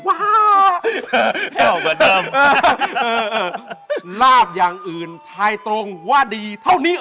ว้าวแค่เหมาะกับเดิมเออเออเออลาบอย่างอื่นทายตรงว่าดีเท่านี้